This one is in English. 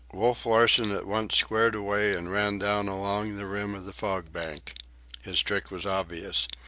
Wolf Larsen at once squared away and ran down along the rim of the fog bank. His trick was obvious.